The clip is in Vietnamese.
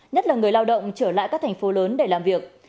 nhất là người lao động trở lại các thành phố lớn để làm việc